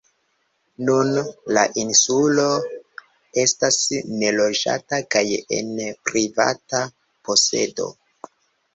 Nun la insulo estas neloĝata kaj en privata posedo.